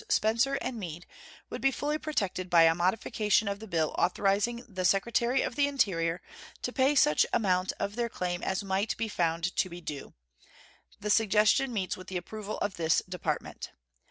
Spencer & Mead would be fully protected by a modification of the bill authorizing the Secretary of the Interior to pay such amount of their claim as might be found to be due. The suggestion meets the approval of this Department.